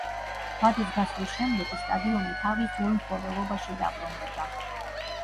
ვადის გასვლის შემდეგ კი სტადიონი თავის ძველ მფლობელობაში დაბრუნდება.